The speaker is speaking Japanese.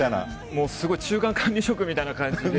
もうすごい中間管理職みたいな感じで。